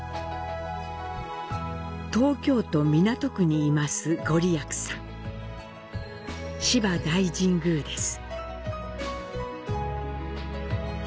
東京都港区に坐す、ごりやくさん、芝大神宮です。